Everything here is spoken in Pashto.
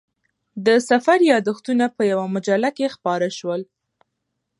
د سفر یادښتونه په یوه مجله کې خپاره شول.